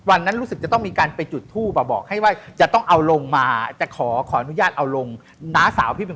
อาทีเอามาจากเชียงใหม่